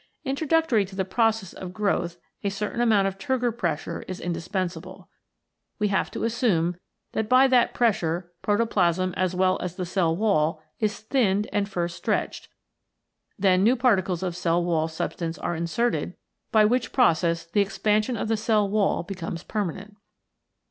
Intro ductory to the process of growth a certain amount of turgor pressure is indispensable. We have to assume that by that pressure protoplasm as well as the cell wall is thinned and first stretched, then new particles of cell wall substance are inserted, 57 CHEMICAL PHENOMENA IN LIFE by which process the expansion of the cell wall becomes permanent.